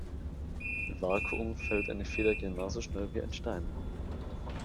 Im Vakuum fällt eine Feder genauso schnell wie ein Stein.